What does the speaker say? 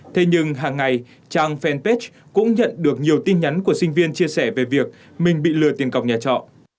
thế nhưng hàng ngày trang fanpage cũng nhận được nhiều tin nhắn của sinh viên chia sẻ về việc mình bị lừa tiền cọc nhà trọ